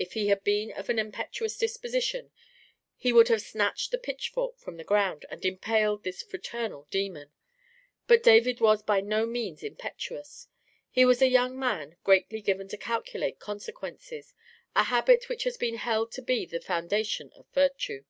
If he had been of an impetuous disposition, he would have snatched the pitchfork from the ground and impaled this fraternal demon. But David was by no means impetuous; he was a young man greatly given to calculate consequences, a habit which has been held to be the foundation of virtue.